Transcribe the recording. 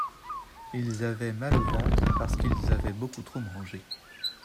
Ils avaient mal au ventre parce qu'ils avaient beaucoup trop mangé.